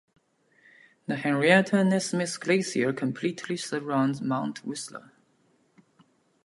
The Henrietta Nesmith Glacier completely surrounds Mount Whisler.